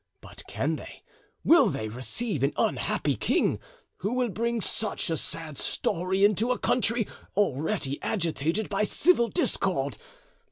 But can they, will they receive an unhappy king, who will bring such a sad story into a country already agitated by civil discord?